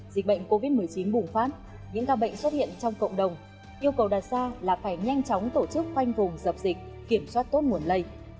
dịch bệnh covid một mươi chín bùng phát những ca bệnh xuất hiện trong cộng đồng yêu cầu đặt ra là phải nhanh chóng tổ chức khoanh vùng dập dịch kiểm soát tốt nguồn lây